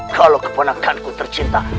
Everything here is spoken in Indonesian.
kalau keponakan ku tercinta